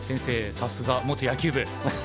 さすが元野球部！